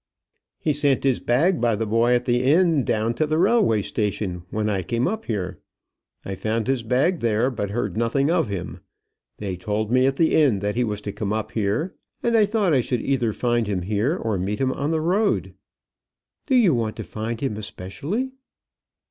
"He sent his bag by the boy at the inn down to the railway station when he came up here. I found his bag there, but heard nothing of him. They told me at the inn that he was to come up here, and I thought I should either find him here or meet him on the road." "Do you want to find him especially?"